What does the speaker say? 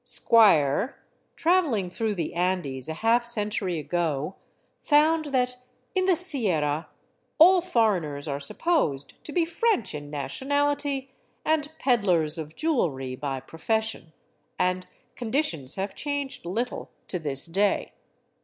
" Squier, traveling through the Andes a half century ago, found that " in the Sierra all foreigners are supposed to be French in nationality and peddlers of jewelry by profession," and conditions have changed little to this day.